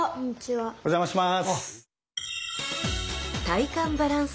お邪魔します。